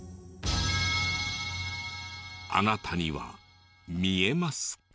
あなたには見えますか？